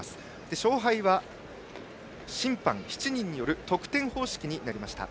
勝敗は、審判７人による得点方式になりました。